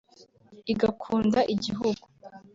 igakunda igihugu